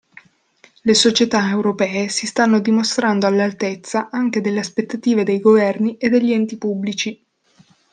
Le società europee si stanno dimostrando all'altezza anche delle aspettative dei governi e degli enti pubblici.